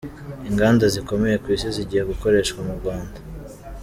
Inganda zikomeye kw’isi zigiye gukoreshwa mu Rwanda